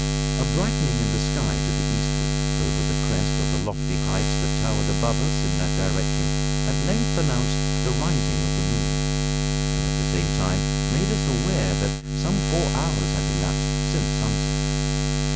A brightening in the sky to the eastward, over the crest of the lofty heights that towered above us in that direction, at length announced the rising of the moon, and, at the same time, made us aware that some four hours had elapsed since sunset.